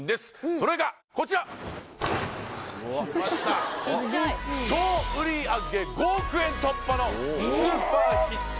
それがこちら総売上５億円突破のスーパーヒット